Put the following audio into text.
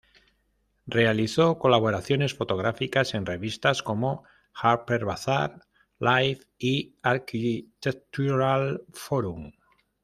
Realizó colaboraciones fotográficas en revistas como Harper's Bazaar, Life y "Architectural Forum".